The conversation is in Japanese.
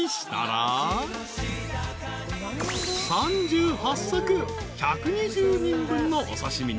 ［３８さく１２０人分のお刺し身に。